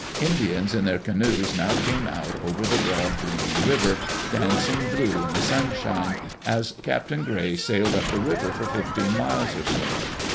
Indians in their canoes now came out over the broad, gleaming river, dancing blue in the sunshine, as Captain Gray sailed up the river for fifteen miles or so.